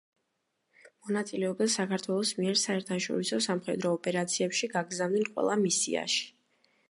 მონაწილეობდა საქართველოს მიერ საერთაშორისო სამხედრო ოპერაციებში გაგზავნილ ყველა მისიაში.